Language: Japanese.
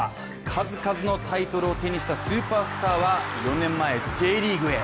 数々のタイトルを手にしたスーパースターは４年前、Ｊリーグへ。